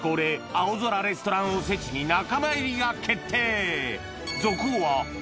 青空レストランおせちに仲間入りが決定！